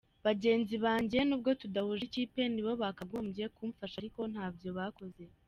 bagenzi banjye n’ubwo tudahuje ikipe nibo bakagombye kumfasha ariko ntabyo bakoze.